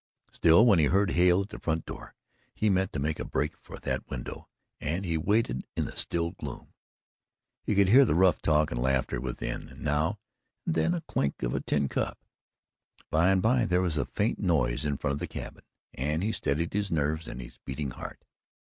Still, when he heard Hale at the front door, he meant to make a break for that window, and he waited in the still gloom. He could hear the rough talk and laughter within and now and then the clink of a tin cup. By and by there was a faint noise in front of the cabin, and he steadied his nerves and his beating heart.